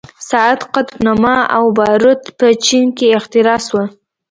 ساعت، قطب نما او باروت په چین کې اختراع شول.